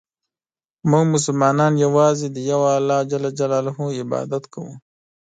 مونږ مسلمانان یوازې د یو الله ج عبادت کوو.